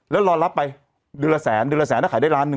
แล้วรอรับไปเดือนละแสนเดือนละแสนถ้าขายได้ล้านหนึ่ง